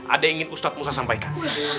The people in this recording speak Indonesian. ada yang ingin ustadz musa sampaikan